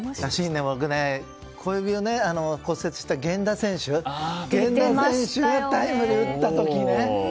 僕、小指を骨折した源田選手がタイムリーを打った時ね。